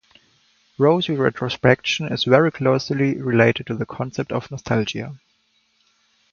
Rosy retrospection is very closely related to the concept of nostalgia.